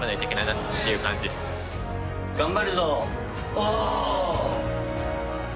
お！